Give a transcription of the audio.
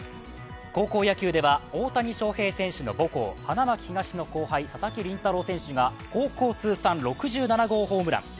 高校野球では大谷翔平選手の母校花巻東高校、佐々木麟太郎選手が高校通算６７号ホームラン。